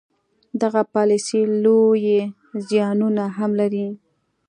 دغه پالیسي لوی زیانونه هم لري.